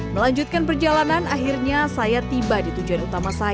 melanjutkan perjalanan akhirnya saya tiba di tujuan utama saya